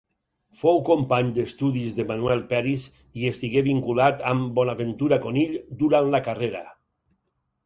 Fou company d'estudis de Manuel Peris i estigué vinculat amb Bonaventura Conill durant la carrera.